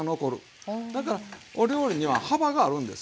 だからお料理には幅があるんですよ。